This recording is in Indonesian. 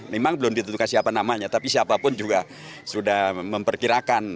memang belum ditentukan siapa namanya tapi siapapun juga sudah memperkirakan